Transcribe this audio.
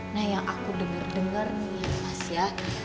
nah yang aku denger denger nih mas ya